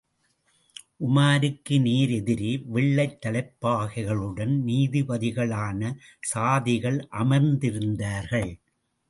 உமாருக்கு நேர் எதிரே, வெள்ளைத் தலைப்பாகைகளுடன் நீதிபதிகளான சாதிகள் அமர்ந்திருந்தார்கள்.